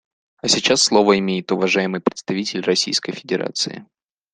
А сейчас слово имеет уважаемый представитель Российской Федерации.